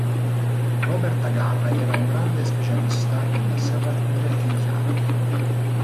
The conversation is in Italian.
Robert Agar era un grande specialista in serrature e in chiavi.